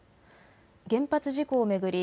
原発事故を巡り